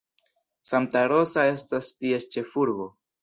Santa Rosa estas ties ĉefurbo.